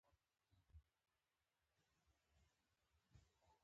شین چای د پښتنو د میلمستیا پیل دی.